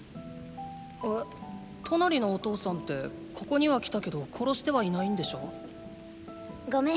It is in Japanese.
えトナリのお父さんってここには来たけど殺してはいないんでしょ？ごめん。